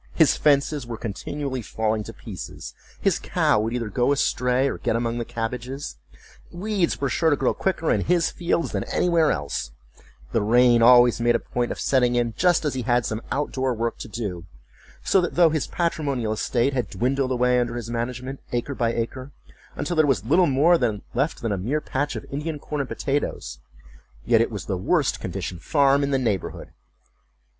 His fences were continually falling to pieces; his cow would either go astray, or get among the cabbages; weeds were sure to grow quicker in his fields than anywhere else; the rain always made a point of setting in just as he had some out door work to do; so that though his patrimonial estate had dwindled away under his management, acre by acre, until there was little more left than a mere patch of Indian corn and potatoes, yet it was the worst conditioned farm in the neighborhood.